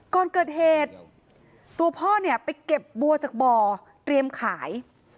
ก่อนเกิดเหตุตัวพ่อเนี่ยไปเก็บบัวจากบ่อเตรียมขาย